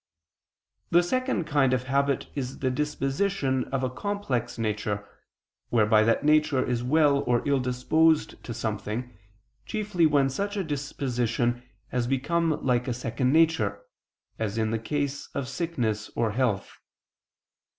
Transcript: The second kind of habit is the disposition of a complex nature, whereby that nature is well or ill disposed to something, chiefly when such a disposition has become like a second nature, as in the case of sickness or health.